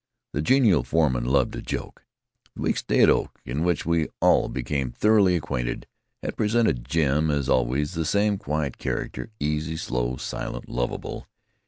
The genial foreman loved a joke. The week's stay at Oak, in which we all became thoroughly acquainted, had presented Jim as always the same quiet character, easy, slow, silent, lovable.